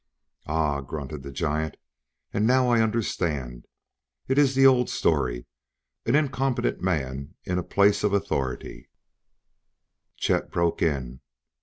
"Ah!" grunted the giant. "And now I understand. It is the old story an incompetent man in a place of authority "Chet broke in.